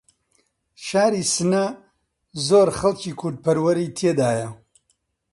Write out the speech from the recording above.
شاری سنە زۆر خەڵکی کوردپەروەری تێدایە.